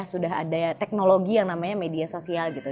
sudah ada teknologi yang namanya media sosial gitu